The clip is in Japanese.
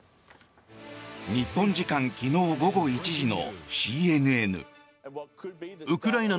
日本時間昨日午後１時のＣＮＮ。